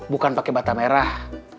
bukan pakai bata merah